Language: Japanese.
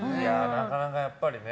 なかなか、やっぱりね。